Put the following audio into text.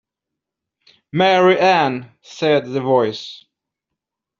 Mary Ann!’ said the voice.